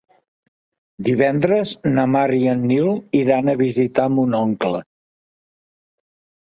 Divendres na Mar i en Nil iran a visitar mon oncle.